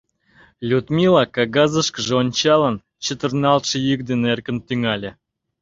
Людмила, кагазышкыже ончалын, чытырналтше йӱк дене эркын тӱҥале.